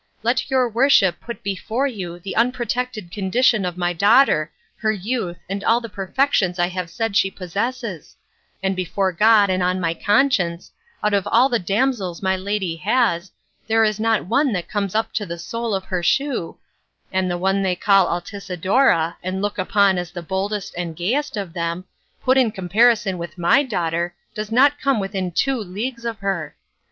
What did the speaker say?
Let your worship put before you the unprotected condition of my daughter, her youth, and all the perfections I have said she possesses; and before God and on my conscience, out of all the damsels my lady has, there is not one that comes up to the sole of her shoe, and the one they call Altisidora, and look upon as the boldest and gayest of them, put in comparison with my daughter, does not come within two leagues of her.